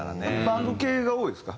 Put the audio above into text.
バンド系が多いですか？